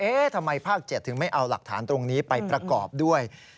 ทำไมภาค๗ถึงไม่เอาหลักฐานตรงนี้ไปประกอบด้วย